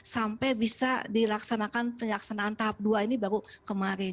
sampai bisa dilaksanakan penyaksanaan tahap dua ini baru kemarin